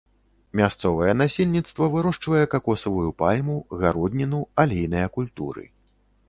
Мясцовае насельніцтва вырошчвае какосавую пальму, гародніну, алейныя культуры.